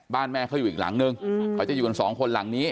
แม่เขาอยู่อีกหลังนึงเขาจะอยู่กันสองคนหลังนี้